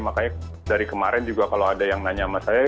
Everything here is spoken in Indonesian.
makanya dari kemarin juga kalau ada yang nanya sama saya